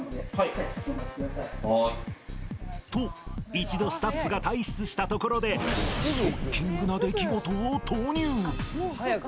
と一度スタッフが退出したところでショッキングな出来事を投入